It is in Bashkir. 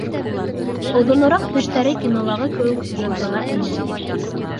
Оҙонораҡ төштәре кинолағы кеүек сюжетлыға әйләнде.